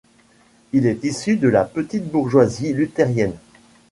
Il est issu de la petite bourgeoisie luthérienne.